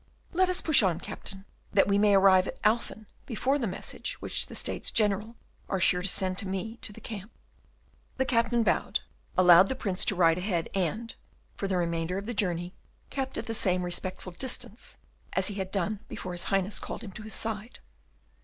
Let us push on, Captain, that we may arrive at Alphen before the message which the States General are sure to send to me to the camp." The Captain bowed, allowed the Prince to ride ahead and, for the remainder of the journey, kept at the same respectful distance as he had done before his Highness called him to his side.